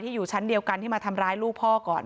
อยู่ชั้นเดียวกันที่มาทำร้ายลูกพ่อก่อน